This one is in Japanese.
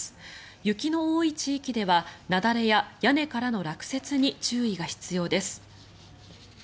雪の多い地域では雪崩や屋根からの落雪に注意が必要です。